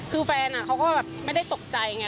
คือแฟนเขาก็แบบไม่ได้ตกใจไง